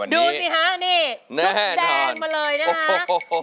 ดูสิฮะนี่ชุดแดงมาเลยนะคะ